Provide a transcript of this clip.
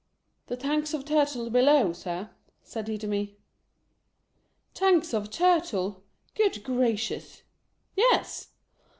"The tanks of Turtle below, Sir," said he to me. Tanks of Turtle ! Good Gracious !" Yes